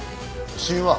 死因は？